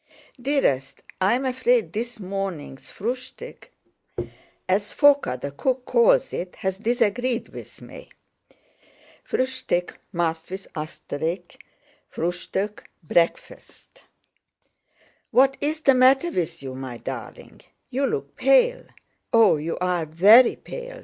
"Dearest, I'm afraid this morning's fruschtique *—as Fóka the cook calls it—has disagreed with me." * Frühstück: breakfast. "What is the matter with you, my darling? You look pale. Oh, you are very pale!"